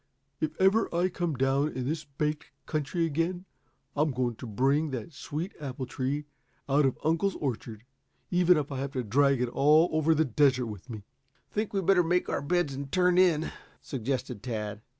If ever I come down in this baked country again, I'm going to bring that sweet apple tree out of uncle's orchard, even if I have to drag it all over the desert with me." "Think we'd better make our beds and turn in?" suggested Tad.